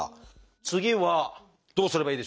次はどうすればいいでしょうか？